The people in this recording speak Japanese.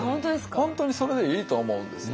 本当にそれでいいと思うんですよね。